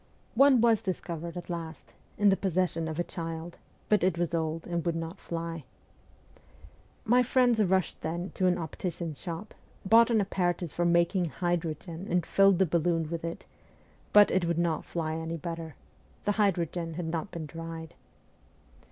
One was discovered at last, in the possession of a child, but it was old and would not fly. My friends rushed then to an optician's shop, bought an apparatus for making hydrogen, and filled the balloon with it ; but it would not fly any better: the hydrogen had not been dried.